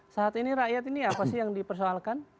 saat ini rakyat ini apa sih yang dipersoalkan